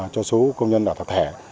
cho số công nhân tập thể